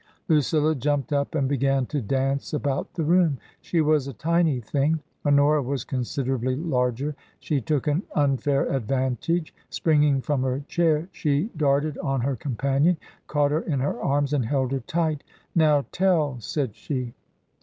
• Lucilla jumped up and began to dance about the room. She was a tiny thing ; Honora was considerably larger. She took an unfair advantage. Springing from her chair, she darted on her companion, caught her in her arms and held her tight " Now tell !" said she.